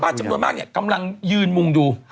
จำนวนมากเนี่ยกำลังยืนมุงดู